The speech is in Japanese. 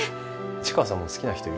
市川さんも好きな人いるの？